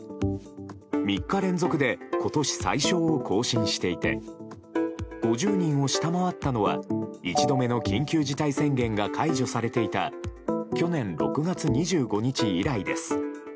３日連続で今年最少を更新していて５０人を下回ったのは１度目の緊急事態宣言が解除されていた去年６月２５日以来です。